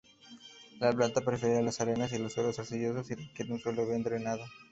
La planta prefiere las arenas y suelos arcillosos y requiere un suelo bien drenado.